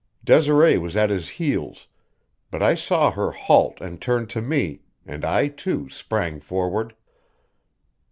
Desiree was at his heels; but I saw her halt and turn to me, and I, too, sprang forward.